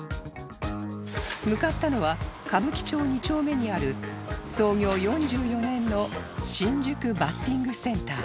向かったのは歌舞伎町２丁目にある創業４４年の新宿バッティングセンター